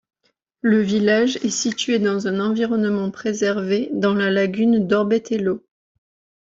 Le village est situé dans un environnement préservé dans la lagune d'Orbetello.